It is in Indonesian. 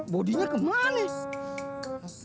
bodinya kemana nih